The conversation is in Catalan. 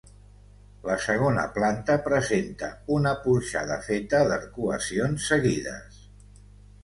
La segona planta presenta una porxada feta d'arcuacions seguides.